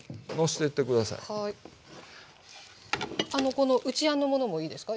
この内あんのものもいいですか？